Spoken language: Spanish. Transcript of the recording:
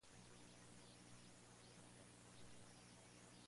En otros casos son implícitos o poco clara.